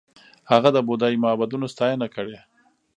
هغه د بودايي معبدونو ستاینه کړې